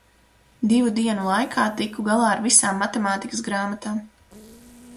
Divu dienu laikā tiku galā ar visām matemātikas grāmatām.